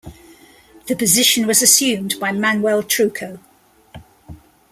The position was assumed by Manuel Trucco.